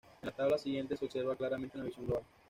En la tabla siguiente se observa claramente una visión global.